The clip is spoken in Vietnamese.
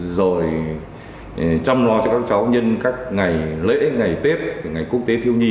rồi chăm lo cho các cháu nhân các ngày lễ ngày tết ngày quốc tế thiêu nhi